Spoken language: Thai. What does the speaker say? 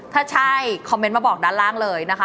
ถ้าใช่คอมเมนต์มาบอกด้านล่างเลยนะคะ